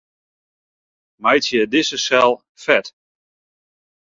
Meitsje dizze sel fet.